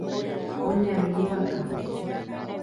Oñami vaka.